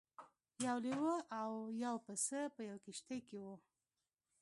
یو لیوه او یو پسه په یوه کښتۍ کې وو.